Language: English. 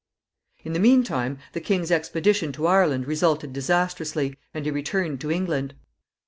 In the mean time, the king's expedition to Ireland resulted disastrously, and he returned to England.